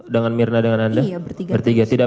dengan mirna dengan anda iya bertiga bertiga tidak